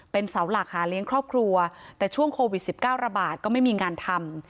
เป็นเสาหลักหาเลี้ยงครอบครัวแต่ช่วงโควิด๑๙ระบาดก็ไม่มีงานทำ